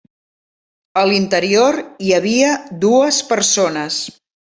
A l’interior hi havia dues persones.